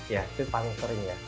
itu paling sering ya